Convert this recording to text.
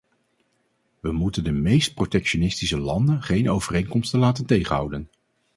We moeten de meest protectionistische landen geen overeenkomsten laten tegenhouden.